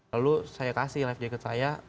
lalu saya kasih life jacket saya